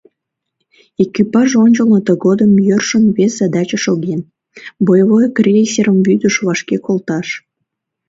Экипаж ончылно тыгодым йӧршын вес задаче шоген: боевой крейсерым вӱдыш вашке волташ.